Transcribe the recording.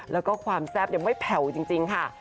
แล้วก็ความแซ่บไม่แผ่วจริงค่ะ